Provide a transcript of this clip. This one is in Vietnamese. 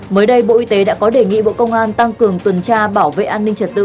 mới đây bộ y tế đã có đề nghị bộ công an tăng cường tuần tra bảo vệ an ninh trật tự